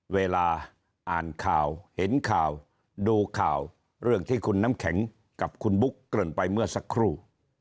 เวลาอ่านข่าวเห็นข่าวดูข่าวเรื่องที่คุณน้ำแข็งกับคุณบุ๊กเกริ่นไปเมื่อสักครู่